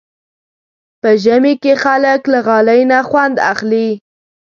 په ژمي کې خلک له غالۍ نه خوند اخلي.